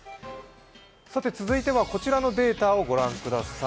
続いては、こちらのデータをご覧ください。